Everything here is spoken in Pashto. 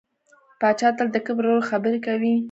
پاچا تل د کبر خبرې کوي .